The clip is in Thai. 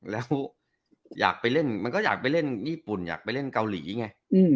แล้วมันก็อยากไปเล่นญี่ปุ่นอยากไปเล่นเกาหลีไง